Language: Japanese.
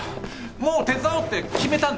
もう手伝おうって決めたんだよ。